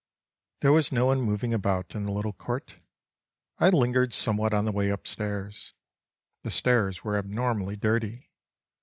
There was no one moving about in the little court. I lingered somewhat on the way upstairs. The stairs were abnormally dirty.